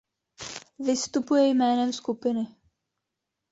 Vystupuje jménem skupiny.